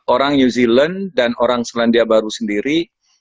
orang new zealand dan orang selandia baru sendiri